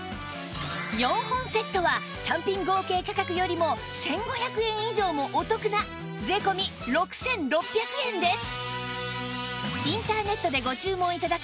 ４本セットは合計価格よりも１５００円以上もお得な税込６６００円です